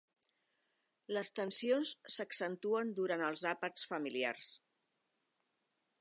Les tensions s'accentuen durant els àpats familiars.